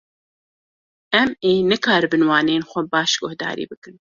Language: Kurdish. Em ê nikaribin waneyên xwe baş guhdarî bikin.